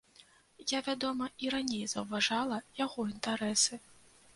Я, вядома, і раней заўважала яго інтарэсы.